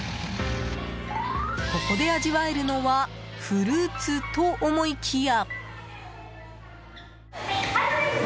ここで味わえるのはフルーツと思いきや。